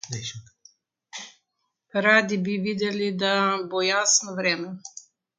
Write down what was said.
Radi bi videli, da bo jasno vreme.